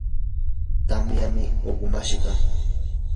tamyam uqumashqa.